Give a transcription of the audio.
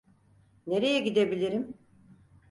Nereye gidebilirim?